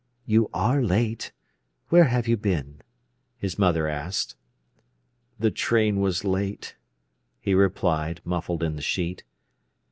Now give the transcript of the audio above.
"You are late. Where have you been?" his mother asked. "The train was late," he replied, muffled in the sheet.